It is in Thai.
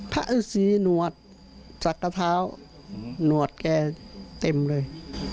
พระฤาษีหนวดจักรเท้าหนวดแก่เต็มเลย